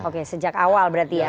oke sejak awal berarti ya